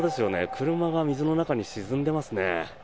車が水の中に沈んでいますね。